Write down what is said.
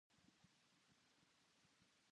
開示だな